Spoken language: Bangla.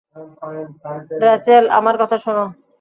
রেচেল, আমার কথা শোন।